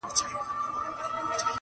عرب وویل له مخه مي سه لیري٫